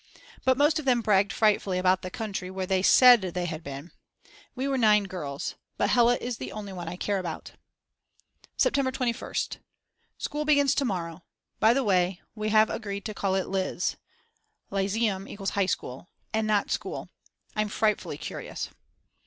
But most of them bragged frightfully about the country where they said they had been. We were 9 girls. But Hella is the only one I care about. September 21st. School begins to morrow. By the way, we have agreed to call it Liz [Lyzeum = High School] and not School. I'm frightfully curious.